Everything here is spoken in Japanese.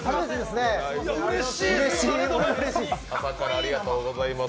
ありがとうございます！